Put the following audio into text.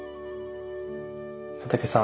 佐竹さん